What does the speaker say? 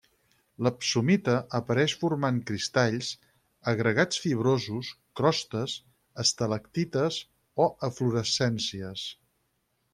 L'epsomita apareix formant cristalls, agregats fibrosos, crostes, estalactites o eflorescències.